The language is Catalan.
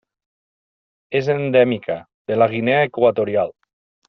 És endèmica de la Guinea Equatorial.